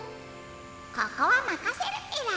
ここはまかせるペラ。